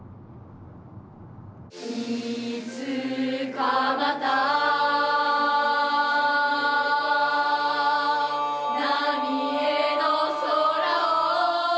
「いつかまた浪江の空を」